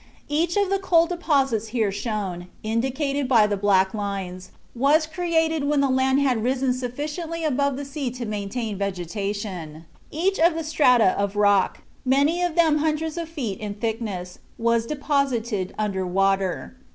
Each of the coal deposits here shown, indicated by the black lines, was created when the land had risen sufficiently above the sea to maintain vegetation; each of the strata of rock, many of them hundreds of feet in thickness, was deposited under water.